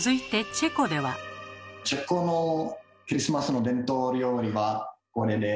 チェコのクリスマスの伝統料理はこれです。